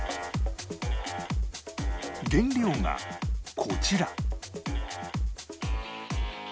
原料がこちら